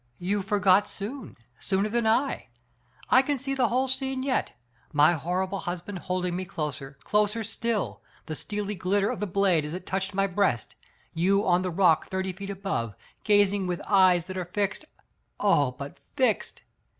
"You forgot soon, sooner than I. I can see the whole scene yet ; my horrible husband hold ing me closer, closer still ; the steely glitter of the blade as it touched my breast ; you on the rock thirty feet above, gazing with eyes that are fixed Digitized by Google p. AJStSTEV. i^l —oh, but fixed!